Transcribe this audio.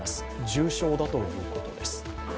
重傷だということです。